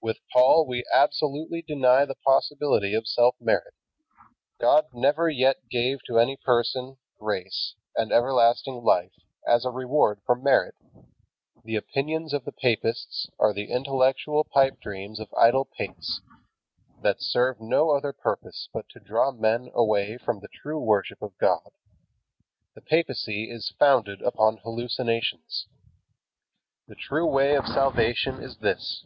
With Paul we absolutely deny the possibility of self merit. God never yet gave to any person grace and everlasting life as a reward for merit. The opinions of the papists are the intellectual pipe dreams of idle pates, that serve no other purpose but to draw men away from the true worship of God. The papacy is founded upon hallucinations. The true way of salvation is this.